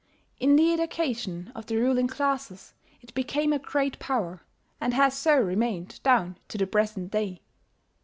In the education of the ruling classes it became a great power, and has so remained down to the present day.